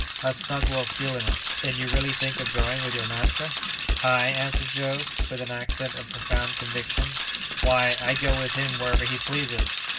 How snug we'll feel in it!" "Then you really think of going with your master?" "I?" answered Joe, with an accent of profound conviction. "Why, I'd go with him wherever he pleases!